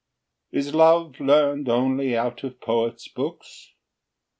VIII. Is love learned only out of poets' books?